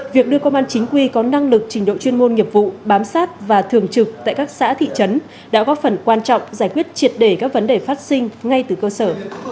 việc đưa công an chính quy có năng lực trình độ chuyên môn nghiệp vụ bám sát và thường trực tại các xã thị trấn đã góp phần quan trọng giải quyết triệt để các vấn đề phát sinh ngay từ cơ sở